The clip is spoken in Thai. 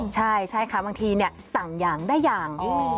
ใช่ค่ะบางทีสั่งอย่างได้อย่าง